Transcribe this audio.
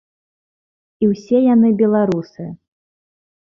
І ўсе яны беларусы.